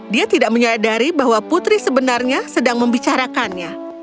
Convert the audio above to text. dia tidak menyadari bahwa putri sebenarnya sedang membicarakannya